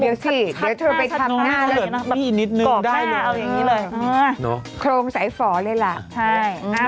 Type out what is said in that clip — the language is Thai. เดี๋ยวเธอไปคัดหน้าขอก้าเอาอย่างนี้เลยคลงสายฝาเลยล่ะใช่